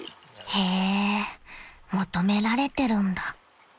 ［へえ求められてるんだ］